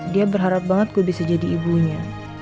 dia berharap banget gue bisa jadi ibunya